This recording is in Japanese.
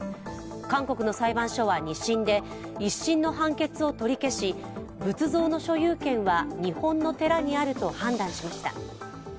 韓国の裁判所は２審で、１審の判決を取り消し仏像の所有権は日本の寺にあると判断しました。